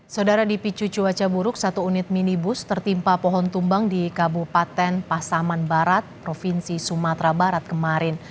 saudara dipicu cuaca buruk satu unit minibus tertimpa pohon tumbang di kabupaten pasaman barat provinsi sumatera barat kemarin